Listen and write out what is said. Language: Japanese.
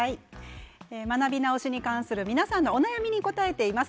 学び直しに関する皆さんの悩みに、お応えしています。